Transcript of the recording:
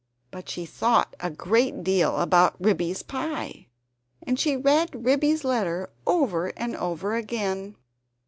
But she thought a great deal about Ribby's pie, and she read Ribby's letter over and over again.